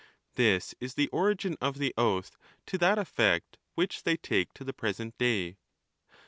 This is the origin of the oath to that effect which they take to the present day.